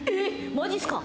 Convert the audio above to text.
マジっすか？